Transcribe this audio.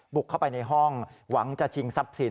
บุกเข้าไปในห้องหวังจะชิงทรัพย์สิน